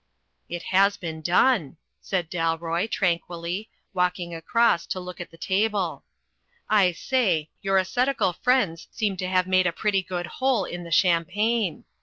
"It has been done," said Dalroy, tranquilly, walk ing across to look at the table. "I say, your ascetical friends seem to have made a pretty good hole in the champagne.